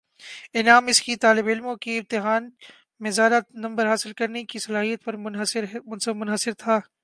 نعام اس کی طالبعلموں کی امتحان میں زیادہ نمبر حاصل کرنے کی صلاحیت پر منحصر تھا